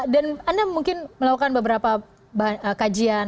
dan anda mungkin melakukan beberapa kajian